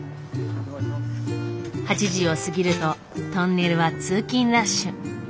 ８時を過ぎるとトンネルは通勤ラッシュ。